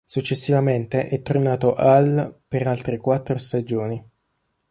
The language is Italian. Successivamente è tornato al per altre quattro stagioni.